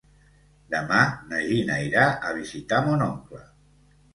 Demà na Gina irà a visitar mon oncle.